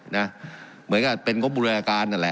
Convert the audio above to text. เหมือนกับเป็นงบบูรณาการนั่นแหละ